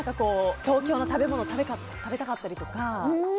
東京の食べ物を食べたかったりとか。